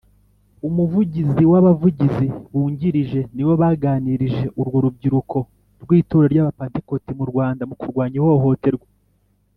Umuvugizi n’ Abavugizi bungirije nibo baganirije urwo rubyiruko rw’itorero ry’abapantekoti mu Rwanda mu kurwanya ihohoterwa.